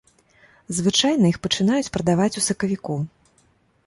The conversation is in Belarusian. Звычайна іх пачынаюць прадаваць у сакавіку.